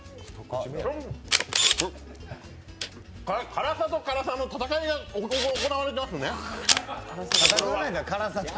辛さと辛さの戦いが行われてますね。